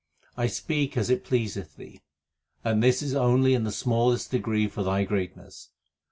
I speak as it pleaseth Thee; and this is only in the smallest degree for Thy greatness.